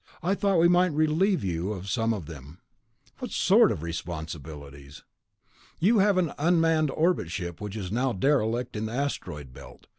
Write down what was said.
I thought we might relieve you of some of them." "What sort of responsibilities?" "You have an unmanned orbit ship which is now a derelict in the Asteroid Belt.